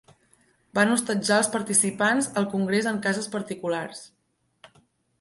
Van hostatjar els participants al congrés en cases particulars.